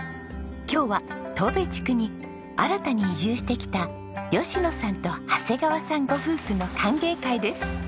今日は当部地区に新たに移住してきた吉野さんと長谷川さんご夫婦の歓迎会です。